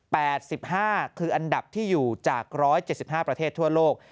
ห้าคืออันดับที่อยู่จากร้อยเจ็ดสิบห้าประเทศทั่วโลก